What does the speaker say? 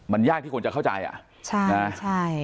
มันยากที่คนจะเข้าใจ